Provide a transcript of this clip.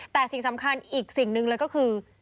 แต่สิ่งสำคัญอีกสิ่งหนึ่งเลยก็คือ